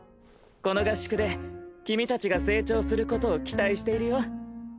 この合宿で君たちが成長することを期待しているよ。